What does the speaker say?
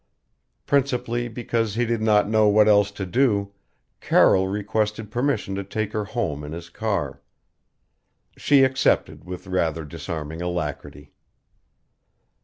Principally because he did not know what else to do, Carroll requested permission to take her home in his car. She accepted with rather disarming alacrity.